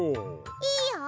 いいよ！